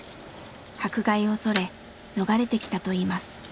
迫害を恐れ逃れてきたといいます。